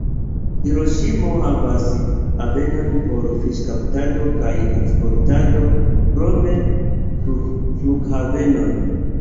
Hiroŝimo havas havenon por fiŝkaptado kaj eksportado, krome flughavenon.